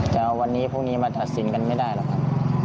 จะเอาวันนี้พรุ่งนี้มาตัดสินกันไม่ได้นะครับ